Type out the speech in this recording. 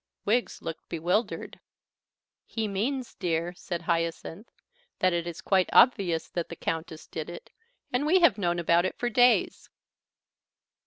Wiggs looked bewildered. "He means, dear," said Hyacinth, "that it is quite obvious that the Countess did it, and we have known about it for days."